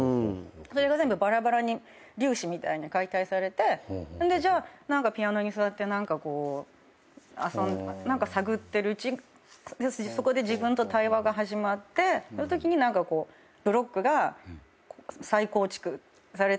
それが全部バラバラに粒子みたいに解体されてそれでじゃあピアノに座って何か探ってるうちにそこで自分と対話が始まってるときにブロックが再構築されてって。